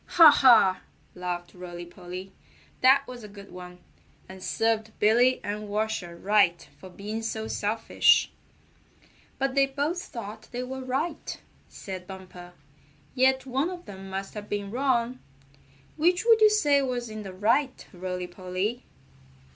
"Ha! Ha!" laughed Rolly Polly. "That was a good one, and served Billy and Washer right for being so selfish." "But they both thought they were right," said Bumper, "yet one of them must have been wrong. Which would you say was in the right, Rolly Polly?"